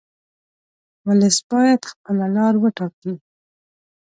ولس باید خپله لار وټاکي.